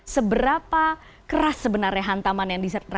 seberapa keras sebenarnya hantaman yang disediakan